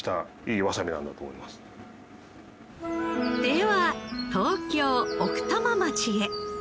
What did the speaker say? では東京奥多摩町へ。